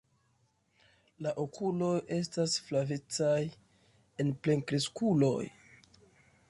La okuloj estas flavecaj en plenkreskuloj.